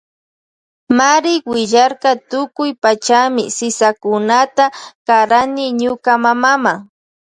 Mari willarka tukuy pachami sisakunata karani ñuka mamama.